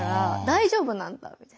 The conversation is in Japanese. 「大丈夫なんだ」って。